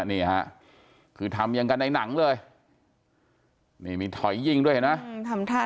นี่ฮะคือทำอย่างกันในหนังเลยนี่มีถอยยิงด้วยเห็นไหม